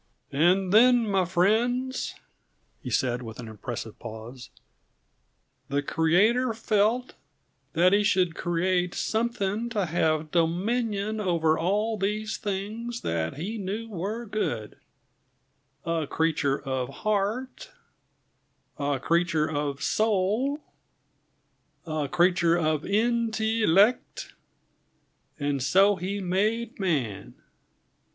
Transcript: "And then, my friends," he said, with an impressive pause, "the Creator felt that He should create something to have dominion over all these things that He knew were good a creature of heart, a creature of soul, a creature of in till ect, and so He made man.